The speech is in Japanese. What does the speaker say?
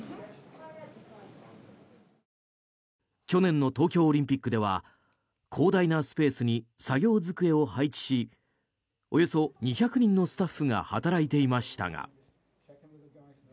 去年の東京オリンピックでは広大なスペースに作業机を配置しおよそ２００人のスタッフが働いていましたが。